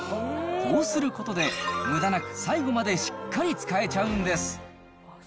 こうすることで、むだなく最後までしっかり使えちゃうんです。